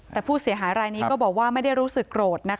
แต่ผู้เสียหายรายนี้ก็บอกว่าไม่ได้รู้สึกโกรธนะคะ